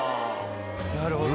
なるほど。